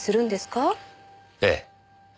ええ。